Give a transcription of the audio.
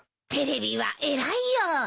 テレビは偉いよ。